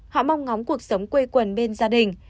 họ mong ngóng cuộc sống quê quần bên gia đình